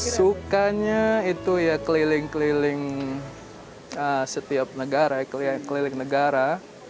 sukanya itu ya keliling keliling setiap negara keliling negara